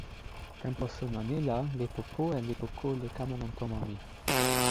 tenpo suno ni la lipu pu en lipu ku li kama lon tomo mi.